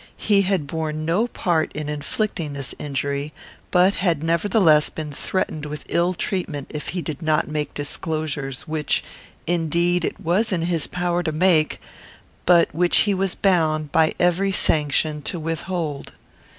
He had borne no part in inflicting this injury, but had nevertheless been threatened with ill treatment if he did not make disclosures which, indeed, it was in his power to make, but which he was bound, by every sanction, to withhold.